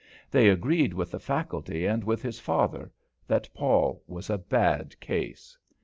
They agreed with the faculty and with his father, that Paul's was a bad case.